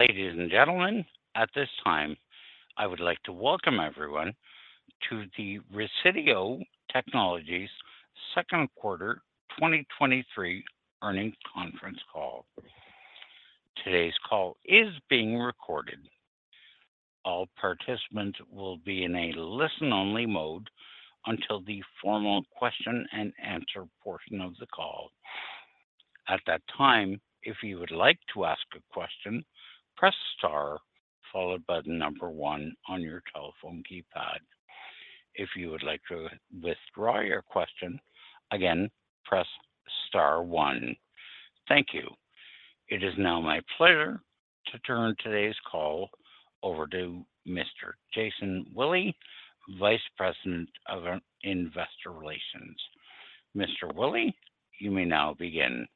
Ladies and gentlemen, at this time, I would like to welcome everyone to the Resideo Technologies second quarter 2023 earnings conference call. Today's call is being recorded. All participants will be in a listen-only mode until the formal question-and-answer portion of the call. At that time, if you would like to ask a question, press star followed by the number 1 on your telephone keypad. If you would like to withdraw your question, again, press star 1. Thank you. It is now my pleasure to turn today's call over to Mr. Jason Willey, Vice President of our Investor Relations. Mr. Willey, you may now begin.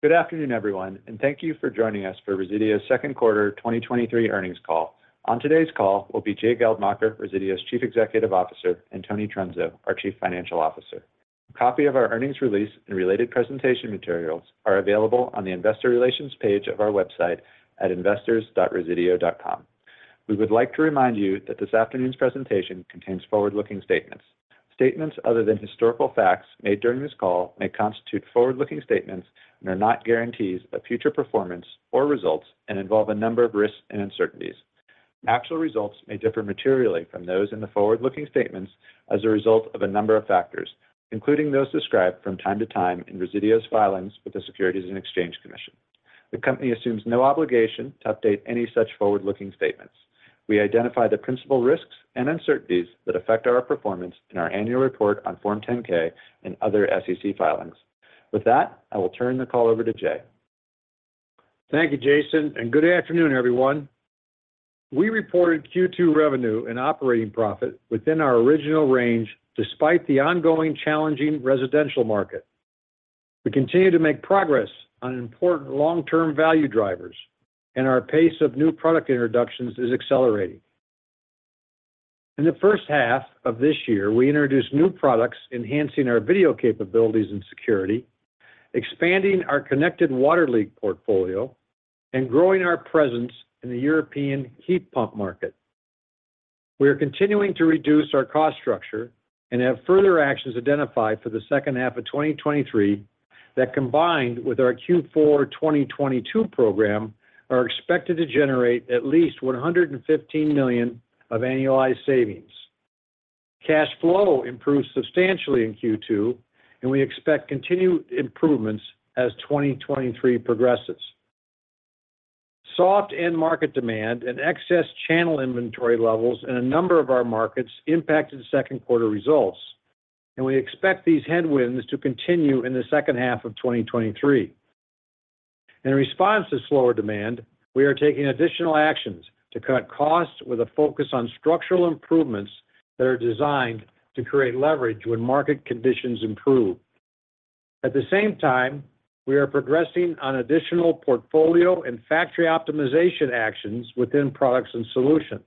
Good afternoon, everyone, and thank you for joining us for Resideo's second quarter 2023 earnings call. On today's call will be Jay Geldmacher, Resideo's Chief Executive Officer, and Tony Trunzo, our Chief Financial Officer. A copy of our earnings release and related presentation materials are available on the Investor Relations page of our website at investors.resideo.com. We would like to remind you that this afternoon's presentation contains forward-looking statements. Statements other than historical facts made during this call may constitute forward-looking statements and are not guarantees of future performance or results and involve a number of risks and uncertainties. Actual results may differ materially from those in the forward-looking statements as a result of a number of factors, including those described from time to time in Resideo's filings with the Securities and Exchange Commission. The company assumes no obligation to update any such forward-looking statements. We identify the principal risks and uncertainties that affect our performance in our annual report on Form 10-K and other SEC filings. With that, I will turn the call over to Jay. Thank you, Jason, and good afternoon, everyone. We reported Q2 revenue and operating profit within our original range despite the ongoing challenging residential market. We continue to make progress on important long-term value drivers. Our pace of new product introductions is accelerating. In the first half of this year, we introduced new products, enhancing our video capabilities and security, expanding our connected water leak portfolio, and growing our presence in the European heat pump market. We are continuing to reduce our cost structure and have further actions identified for the second half of 2023 that, combined with our Q4 2022 program, are expected to generate at least $115 million of annualized savings. Cash flow improved substantially in Q2. We expect continued improvements as 2023 progresses. Soft end market demand and excess channel inventory levels in a number of our markets impacted the second quarter results, and we expect these headwinds to continue in the second half of 2023. In response to slower demand, we are taking additional actions to cut costs with a focus on structural improvements that are designed to create leverage when market conditions improve. At the same time, we are progressing on additional portfolio and factory optimization actions within Products & Solutions.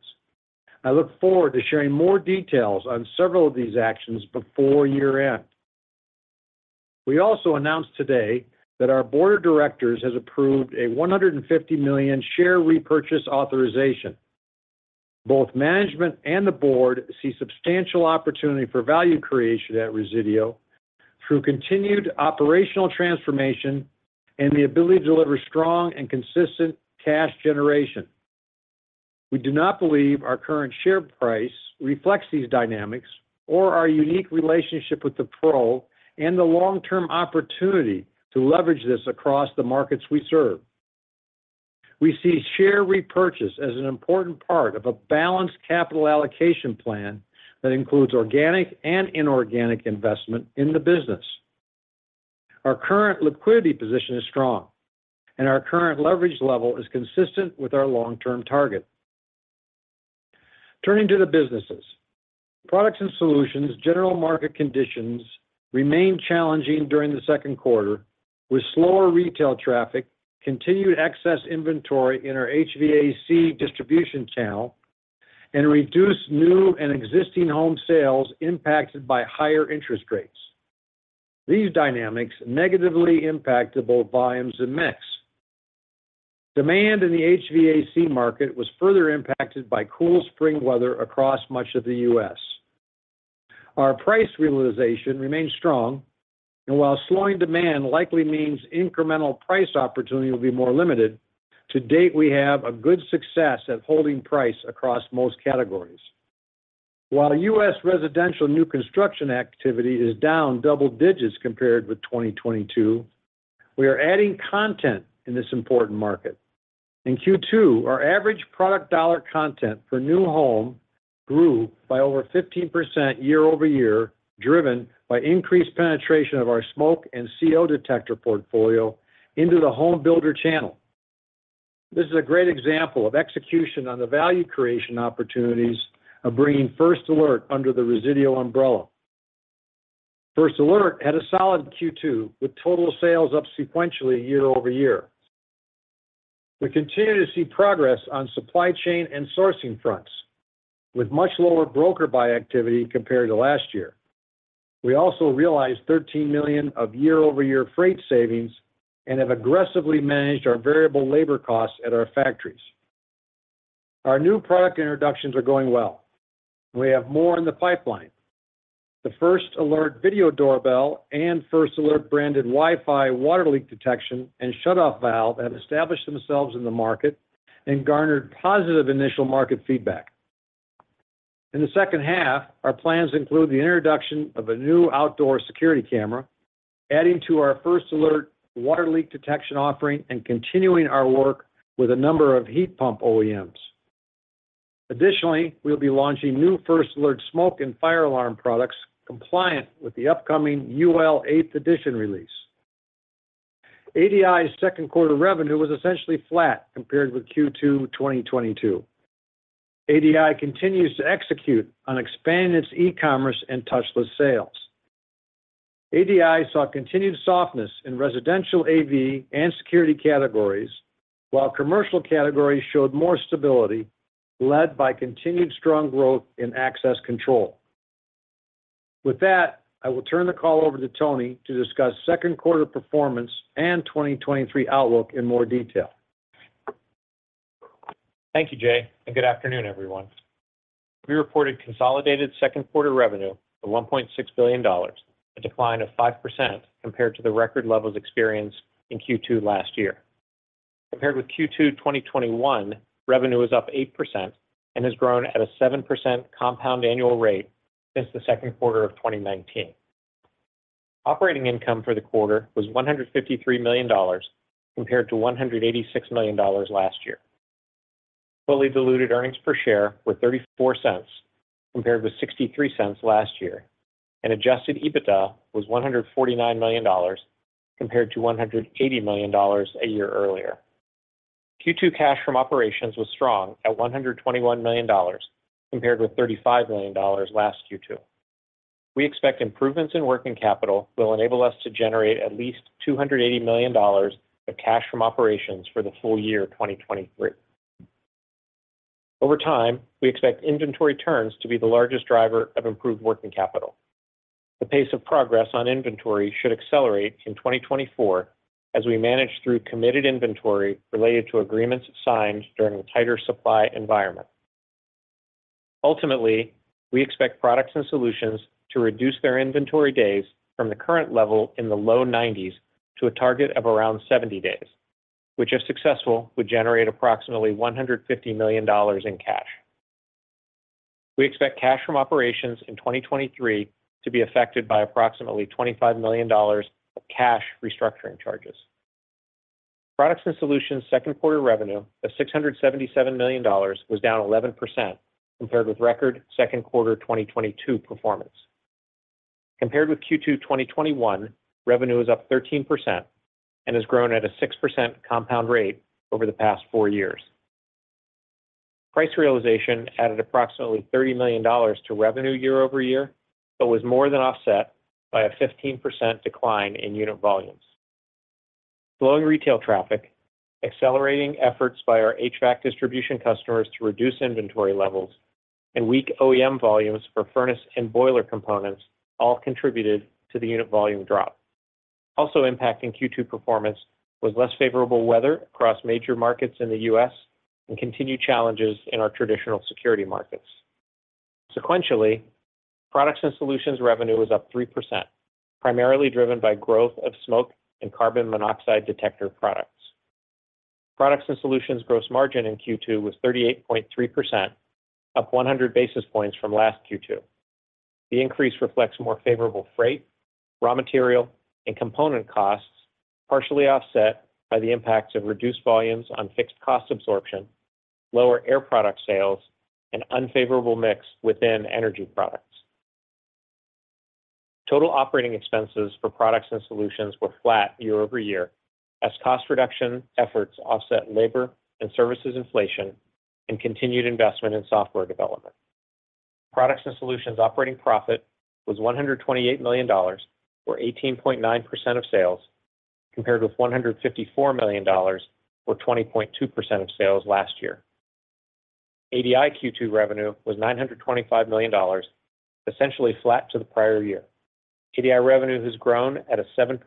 I look forward to sharing more details on several of these actions before year-end. We also announced today that our board of directors has approved a $150 million share repurchase authorization. Both management and the board see substantial opportunity for value creation at Resideo through continued operational transformation and the ability to deliver strong and consistent cash generation. We do not believe our current share price reflects these dynamics or our unique relationship with the pro and the long-term opportunity to leverage this across the markets we serve. We see share repurchases as an important part of a balanced capital allocation plan that includes organic and inorganic investment in the business. Our current liquidity position is strong, and our current leverage level is consistent with our long-term target. Turning to the businesses. Products & Solutions. General market conditions remained challenging during the second quarter, with slower retail traffic, continued excess inventory in our HVAC distribution channel, and reduced new and existing home sales impacted by higher interest rates. These dynamics negatively impacted both volumes and mix. Demand in the HVAC market was further impacted by cool spring weather across much of the U.S. Our price realization remains strong, and while slowing demand likely means incremental price opportunity will be more limited, to date, we have good success at holding price across most categories. While U.S. residential new construction activity is down double digits compared with 2022, we are adding content in this important market. In Q2, our average product dollar content for new home grew by over 15% year-over-year, driven by increased penetration of our smoke and CO detector portfolio into the home builder channel. This is a great example of execution on the value creation opportunities of bringing First Alert under the Resideo umbrella. First Alert had a solid Q2, with total sales up sequentially year-over-year. We continue to see progress on supply chain and sourcing fronts, with much lower broker buy activity compared to last year. We also realized $13 million of year-over-year freight savings and have aggressively managed our variable labor costs at our factories. Our new product introductions are going well. We have more in the pipeline. The First Alert video doorbell and First Alert branded Wi-Fi water leak detection and shutoff valve have established themselves in the market and garnered positive initial market feedback. In the second half, our plans include the introduction of a new outdoor security camera, adding to our First Alert water leak detection offering, and continuing our work with a number of heat pump OEMs. Additionally, we'll be launching new First Alert smoke and fire alarm products compliant with the upcoming UL 8th Edition release. ADI's second-quarter revenue was essentially flat compared with Q2 2022. ADI continues to execute on expanding its e-commerce and touchless sales. ADI saw continued softness in residential AV and security categories, while commercial categories showed more stability, led by continued strong growth in access control. With that, I will turn the call over to Tony to discuss second quarter performance and 2023 outlook in more detail. Thank you, Jay, and good afternoon, everyone. We reported consolidated second quarter revenue of $1.6 billion, a decline of 5% compared to the record levels experienced in Q2 last year. Compared with Q2 2021, revenue is up 8% and has grown at a 7% compound annual rate since the second quarter of 2019. Operating income for the quarter was $153 million, compared to $186 million last year. Fully diluted earnings per share were $0.34, compared with $0.63 last year, and adjusted EBITDA was $149 million, compared to $180 million a year earlier. Q2 cash from operations was strong at $121 million, compared with $35 million last Q2. We expect improvements in working capital will enable us to generate at least $280 million of cash from operations for the full year 2023. Over time, we expect inventory turns to be the largest driver of improved working capital. The pace of progress on inventory should accelerate in 2024 as we manage through committed inventory related to agreements signed during a tighter supply environment. Ultimately, we expect Products & Solutions to reduce their inventory days from the current level in the low 90s to a target of around 70 days, which, if successful, would generate approximately $150 million in cash. We expect cash from operations in 2023 to be affected by approximately $25 million of cash restructuring charges. Products & Solutions second quarter revenue of $677 million was down 11% compared with record second quarter 2022 performance. Compared with Q2 2021, revenue is up 13% and has grown at a 6% compound rate over the past four years. Price realization added approximately $30 million to revenue year-over-year, but was more than offset by a 15% decline in unit volumes. Slowing retail traffic, accelerating efforts by our HVAC distribution customers to reduce inventory levels, and weak OEM volumes for furnace and boiler components all contributed to the unit volume drop. Also impacting Q2 performance was less favorable weather across major markets in the U.S. and continued challenges in our traditional security markets. Sequentially, Products & Solutions revenue was up 3%, primarily driven by the growth of smoke and carbon monoxide detector products. Products & Solutions gross margin in Q2 was 38.3%, up 100 basis points from last Q2. The increase reflects more favorable freight, raw material, and component costs, partially offset by the impacts of reduced volumes on fixed cost absorption, lower air product sales, and unfavorable mix within energy products. Total operating expenses for Products & Solutions were flat year-over-year, as cost reduction efforts offset labor and services inflation and continued investment in software development. Products & Solutions operating profit was $128 million, or 18.9% of sales, compared with $154 million, or 20.2% of sales last year. ADI Q2 revenue was $925 million, essentially flat to the prior year. ADI revenue has grown at a 7%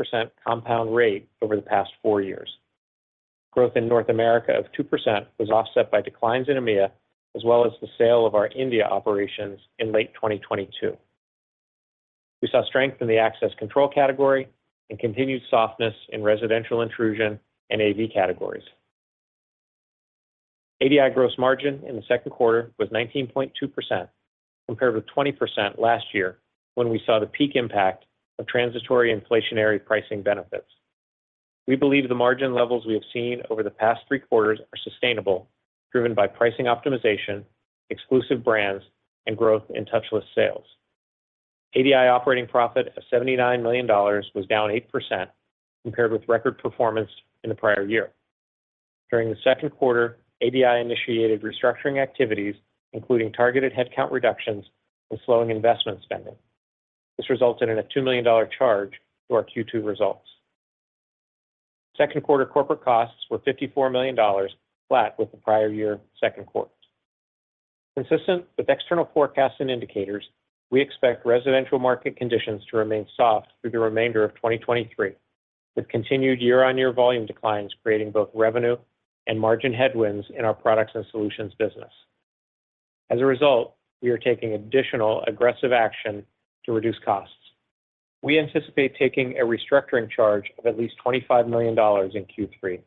compound rate over the past four years. Growth in North America of 2% was offset by declines in EMEA, as well as the sale of our India operations in late 2022. We saw strength in the access control category and continued softness in residential intrusion and AV categories. ADI gross margin in the second quarter was 19.2%, compared with 20% last year, when we saw the peak impact of transitory inflationary pricing benefits. We believe the margin levels we have seen over the past three quarters are sustainable, driven by pricing optimization, exclusive brands, and growth in touchless sales. ADI operating profit of $79 million was down 8% compared with record performance in the prior year. During the second quarter, ADI initiated restructuring activities, including targeted headcount reductions and slowing investment spending. This resulted in a $2 million charge to our Q2 results. Second quarter corporate costs were $54 million, flat with the prior year second quarter. Consistent with external forecasts and indicators, we expect residential market conditions to remain soft through the remainder of 2023, with continued year-on-year volume declines creating both revenue and margin headwinds in our Products & Solutions business. As a result, we are taking additional aggressive action to reduce costs. We anticipate taking a restructuring charge of at least $25 million in Q3,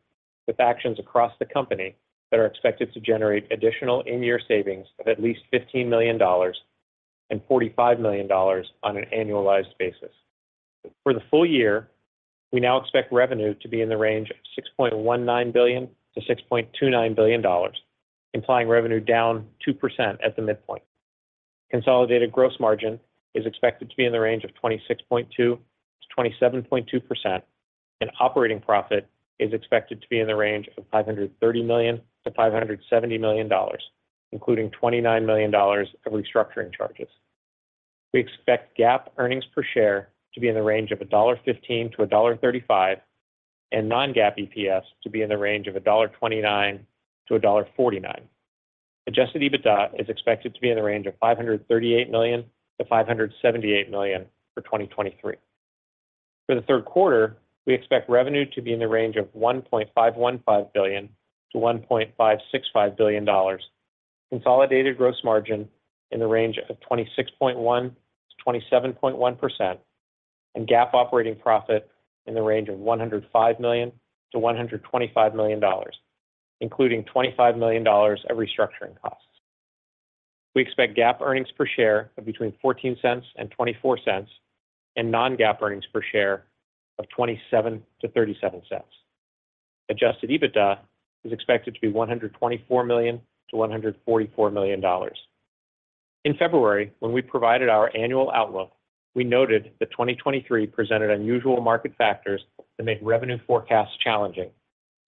with actions across the company that are expected to generate additional in-year savings of at least $15 million and $45 million on an annualized basis. For the full year, we now expect revenue to be in the range of $6.19 billion-$6.29 billion, implying revenue down 2% at the midpoint. Consolidated gross margin is expected to be in the range of 26.2%-27.2%, operating profit is expected to be in the range of $530 million-$570 million, including $29 million of restructuring charges. We expect GAAP earnings per share to be in the range of $1.15-$1.35, and non-GAAP EPS to be in the range of $1.29-$1.49. Adjusted EBITDA is expected to be in the range of $538 million-$578 million for 2023. For the third quarter, we expect revenue to be in the range of $1.515 billion-$1.565 billion. Consolidated gross margin in the range of 26.1%-27.1%, and GAAP operating profit in the range of $105 million-$125 million, including $25 million of restructuring costs. We expect GAAP earnings per share of between $0.14 and $0.24, and non-GAAP earnings per share of $0.27-$0.37. Adjusted EBITDA is expected to be $124 million-$144 million. In February, when we provided our annual outlook, we noted that 2023 presented unusual market factors that made revenue forecasts challenging,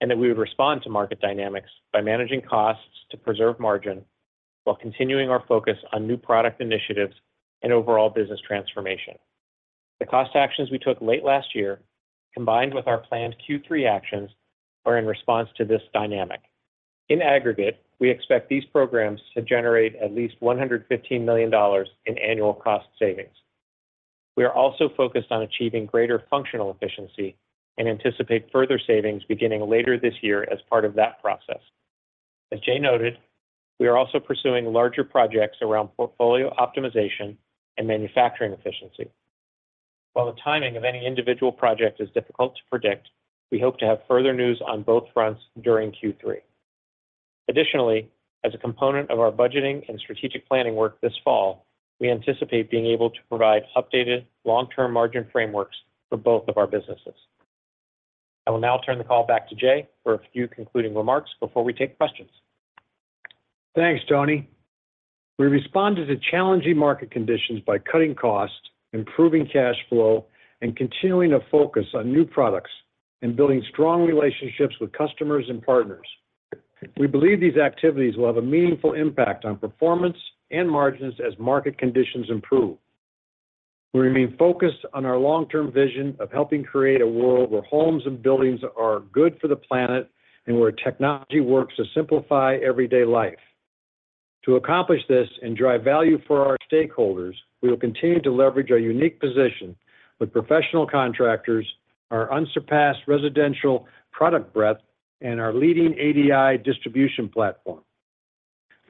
and that we would respond to market dynamics by managing costs to preserve margin while continuing our focus on new product initiatives and overall business transformation. The cost actions we took late last year, combined with our planned Q3 actions, are in response to this dynamic. In aggregate, we expect these programs to generate at least $115 million in annual cost savings. We are also focused on achieving greater functional efficiency and anticipate further savings beginning later this year as part of that process. As Jay noted, we are also pursuing larger projects around portfolio optimization and manufacturing efficiency. While the timing of any individual project is difficult to predict, we hope to have further news on both fronts during Q3. Additionally, as a component of our budgeting and strategic planning work this fall, we anticipate being able to provide updated long-term margin frameworks for both of our businesses. I will now turn the call back to Jay for a few concluding remarks before we take questions. Thanks, Tony. We responded to challenging market conditions by cutting costs, improving cash flow, and continuing to focus on new products and building strong relationships with customers and partners. We believe these activities will have a meaningful impact on performance and margins as market conditions improve. We remain focused on our long-term vision of helping create a world where homes and buildings are good for the planet and where technology works to simplify everyday life. To accomplish this and drive value for our stakeholders, we will continue to leverage our unique position with professional contractors, our unsurpassed residential product breadth, and our leading ADI distribution platform.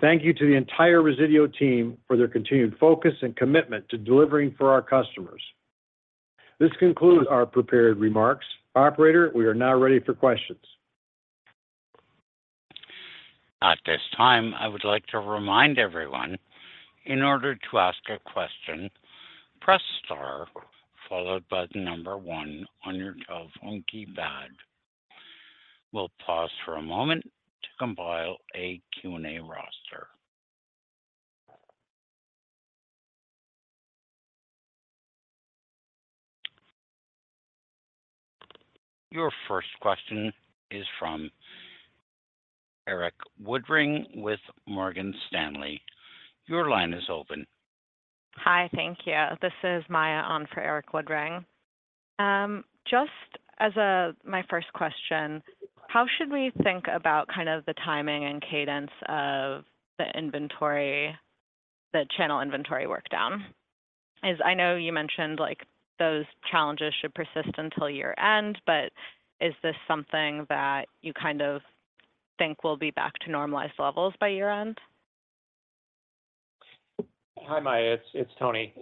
Thank you to the entire Resideo team for their continued focus and commitment to delivering for our customers. This concludes our prepared remarks. Operator, we are now ready for questions. At this time, I would like to remind everyone, in order to ask a question, press star, followed by the number 1 on your telephone keypad. We'll pause for a moment to compile a Q&A roster. Your first question is from Erik Woodring with Morgan Stanley. Your line is open. Hi, thank you. This is Maya on for Erik Woodring. Just my first question, how should we think about kind of the timing and cadence of the inventory, the channel inventory work down? I know you mentioned, like, those challenges should persist until year-end. Is this something that you kind of think will be back to normalized levels by year-end? Hi, Maya, it's, it's Tony.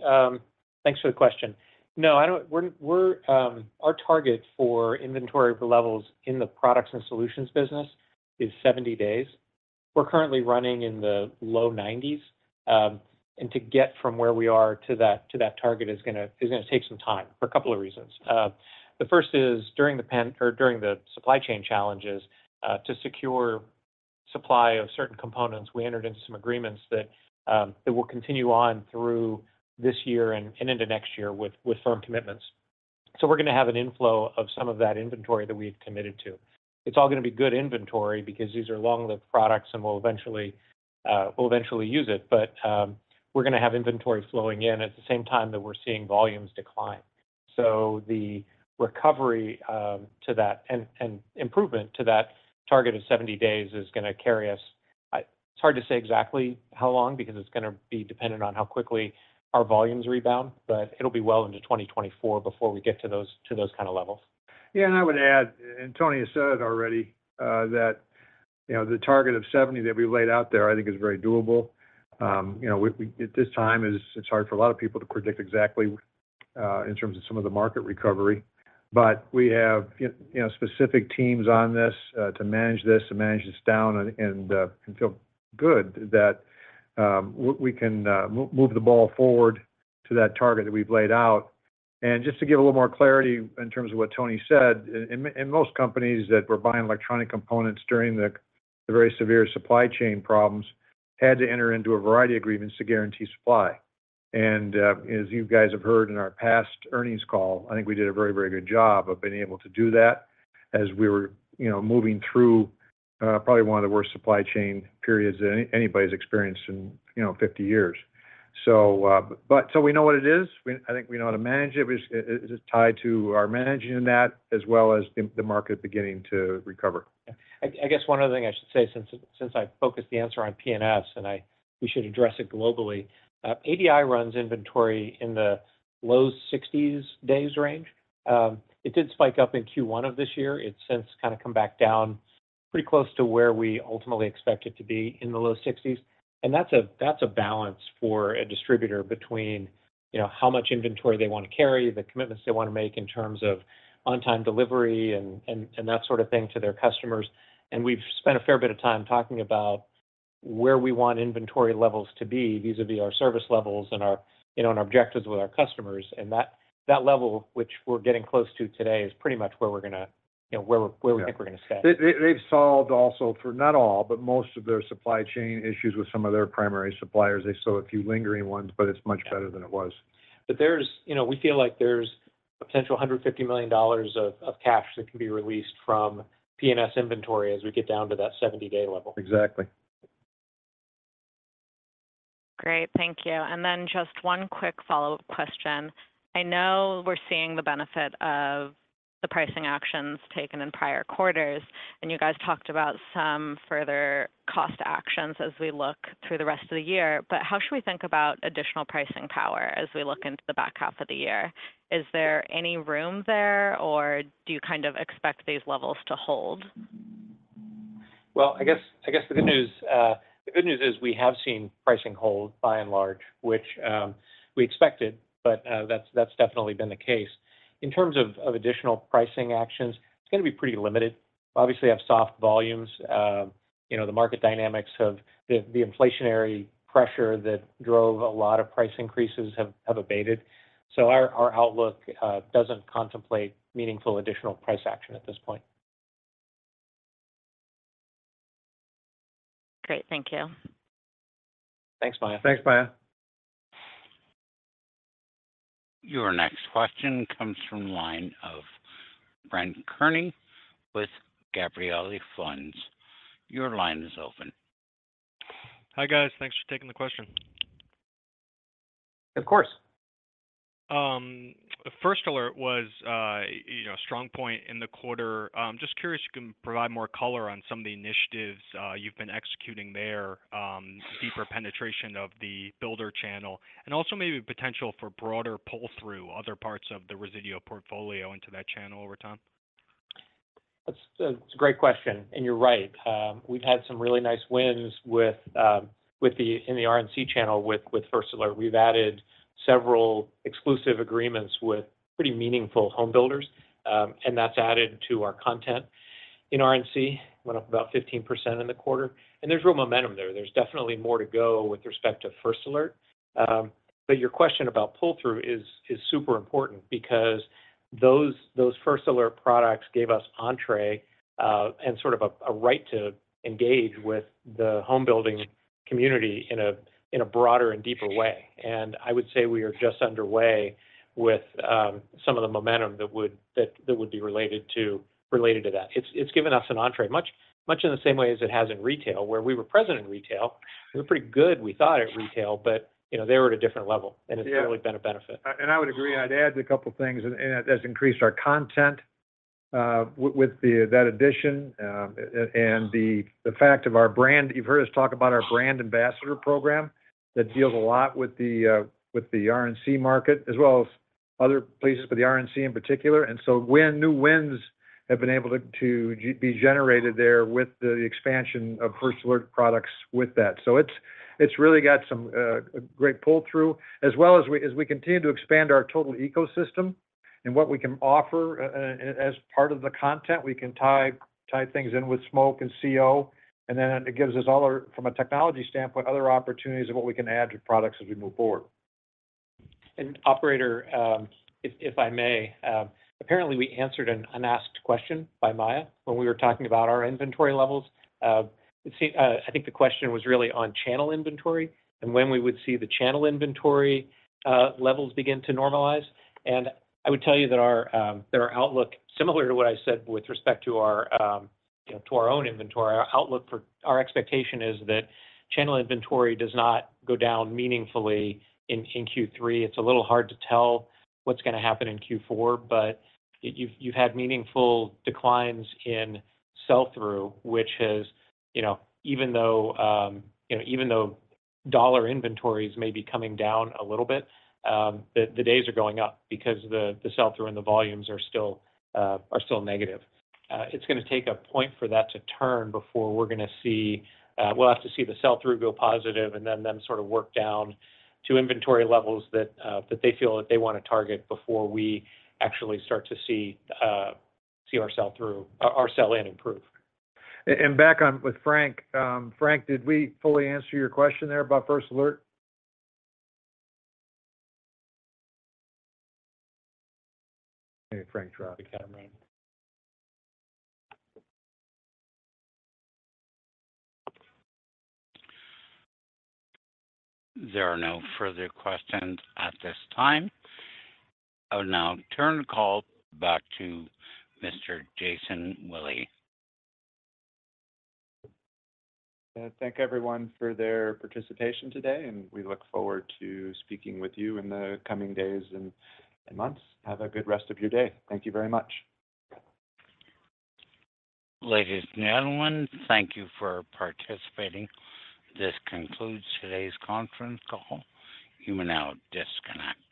Thanks for the question. We're, we're, our target for inventory levels in the Products & Solutions business is 70 days. We're currently running in the low 90s, and to get from where we are to that, to that target is gonna, is gonna take some time for a couple of reasons. The first is during the supply chain challenges, to secure supply of certain components, we entered into some agreements that will continue on through this year and, and into next year with, with firm commitments. We're going to have an inflow of some of that inventory that we've committed to. It's all going to be good inventory because these are long-lived products and we'll eventually, we'll eventually use it. We're gonna have inventory flowing in at the same time that we're seeing volumes decline. The recovery to that, and, and improvement to that target of 70 days is gonna carry us. It's hard to say exactly how long, because it's gonna be dependent on how quickly our volumes rebound, but it'll be well into 2024 before we get to those, to those kind of levels. Yeah, and I would add, and Tony has said it already, that, the target of 70 that we laid out there, I think is very doable. at this time, is it's hard for a lot of people to predict exactly, in terms of some of the market recovery. But we have, you, specific teams on this, to manage this, to manage this down, and, and feel good that, we, we can move the ball forward to that target that we've laid out. Just to give a little more clarity in terms of what Tony said, in, in, in most companies that were buying electronic components during the, the very severe supply chain problems, had to enter into a variety of agreements to guarantee supply. As you guys have heard in our past earnings call, I think we did a very, very good job of being able to do that as we were moving through, probably one of the worst supply chain periods that anybody's experienced in 50 years. We know what it is. I think we know how to manage it, which it is tied to our managing that, as well as the market beginning to recover. I guess one other thing I should say, since I've focused the answer on P&S and we should address it globally. ADI runs inventory in the low 60-day range. It did spike up in Q1 of this year. It's since kind of come back down pretty close to where we ultimately expect it to be in the low 60s. That's a balance for a distributor between how much inventory they want to carry, the commitments they want to make in terms of on-time delivery, and that sort of thing to their customers. We've spent a fair bit of time talking about where we want inventory levels to be, vis-a-vis our service levels and our objectives with our customers. That, that level, which we're getting close to today, is pretty much where we're gonna where we think we're gonna stay. They,'ve solved also for not all, but most of their supply chain issues with some of their primary suppliers. They saw a few lingering ones, but it's much better than it was. we feel like there's potential $150 million of cash that can be released from P&S inventory as we get down to that 70-day level. Exactly. Great, thank you. Then just one quick follow-up question. I know we're seeing the benefit of the pricing actions taken in prior quarters, and you guys talked about some further cost actions as we look through the rest of the year. How should we think about additional pricing power as we look into the back half of the year? Is there any room there, or do you kind of expect these levels to hold? Well, I guess, I guess the good news, the good news is we have seen pricing hold by and large, which we expected, but that's definitely been the case. In terms of additional pricing actions, it's gonna be pretty limited. Obviously, we have soft volumes. the market dynamics of the inflationary pressure that drove a lot of price increases have abated. Our outlook doesn't contemplate meaningful additional price action at this point. Great, thank you. Thanks, Maya. Thanks, Maya. Your next question comes from line of Brett Kearney with Gabelli Funds. Your line is open. Hi, guys. Thanks for taking the question. Of course. The First Alert was a strong point in the quarter. Just curious, you can provide more color on some of the initiatives you've been executing there, deeper penetration of the builder channel, and also maybe potential for broader pull-through other parts of the Resideo portfolio into that channel over time? That's a, that's a great question, and you're right. We've had some really nice wins with, in the RNC channel with, with First Alert. We've added several exclusive agreements with pretty meaningful home builders, and that's added to our content. In RNC, went up about 15% in the quarter, and there's real momentum there. There's definitely more to go with respect to First Alert. But your question about pull-through is, is super important because those, those First Alert products gave us entree, and sort of a, a right to engage with the home building community in a, in a broader and deeper way. I would say we are just underway with, some of the momentum that would, that, that would be related to that. It's, it's given us an entree, much in the same way as it has in retail, where we were present in retail. We were pretty good, we thought, at retail, but they were at a different level. It's really been a benefit. I would agree. I'd add a couple of things, and that's increased our content with the, that addition, and the fact of our brand. You've heard us talk about our Brand Ambassador Program, that deals a lot with the RNC market, as well as other places, but the RNC in particular. When new wins have been able to be generated there with the expansion of First Alert products with that. It's, it's really got some great pull-through, as well as we, as we continue to expand our total ecosystem and what we can offer as part of the content. We can tie, tie things in with smoke and CO, and then it gives us other, from a technology standpoint, other opportunities of what we can add to products as we move forward. Operator if I may, apparently, we answered an unasked question by Maya when we were talking about our inventory levels. Let's see, I think the question was really on channel inventory, and when we would see the channel inventory, levels begin to normalize. I would tell you that our, that our outlook, similar to what I said with respect to our, to our own inventory, our outlook for- our expectation is that channel inventory does not go down meaningfully in, in Q3. It's a little hard to tell what's gonna happen in Q4, but you've, you've had meaningful declines in sell-through, which has, even though, even though dollar inventories may be coming down a little bit, the, the days are going up because the, the sell-through and the volumes are still negative. It's gonna take a point for that to turn before we're gonna see, we'll have to see the sell-through go positive and then, then sort of work down to inventory levels that they feel that they want to target before we actually start to see our sell-through, our sell-in improve. Back on with Frank. Frank, did we fully answer your question there about First Alert? Maybe Frank dropped the camera. There are no further questions at this time. I will now turn the call back to Mr. Jason Willey. Thank everyone for their participation today, and we look forward to speaking with you in the coming days and months. Have a good rest of your day. Thank you very much. Ladies and gentlemen, thank you for participating. This concludes today's conference call. You may now disconnect.